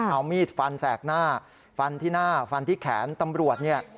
เอามีดฟันแสกหน้าฟันที่หน้าฟันที่แขนตำรวจเนี่ย